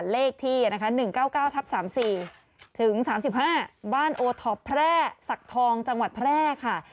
เลขที่นะคะ๑๙๙ทับ๓๔ถึง๓๕บ้านโอท็อปแพร่สักทองจังหวัดแพร่ค่ะ